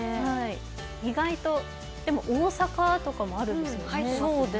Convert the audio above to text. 意外とでも、大阪とかもあるんですよね。